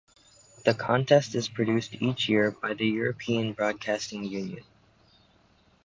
The contest is produced each year by the European Broadcasting Union.